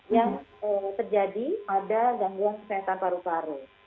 yang terjadi pada gangguan kesehatan paru paru